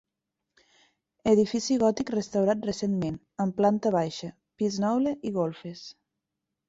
Edifici gòtic restaurat recentment, amb planta baixa, pis noble i golfes.